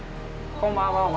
こんばんは。